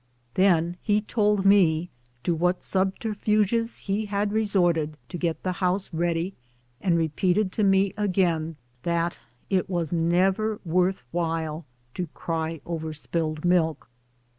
Then he told me to what subter fuges he liad resorted to get the house ready, and re peated to me again that it was never worth while to " cry over spilled milk."